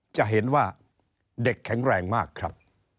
จะเห็นว่าเด็กแข็งแรงมากครับ